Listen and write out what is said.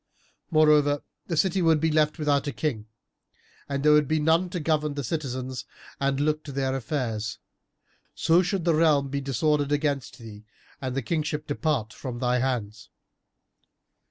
Moreover, the city would be left without king and there would be none to govern the citizens and look to their affairs, so should the realm be disordered against thee and the kingship depart from thy hands."